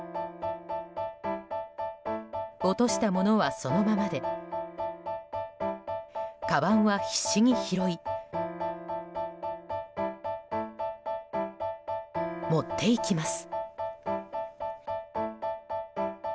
落としたものはそのままでかばんは必死に拾い持っていきます。